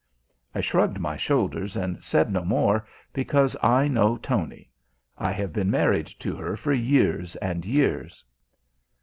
I shrugged my shoulders and said no more, because I know Tony. I have been married to her for years and years.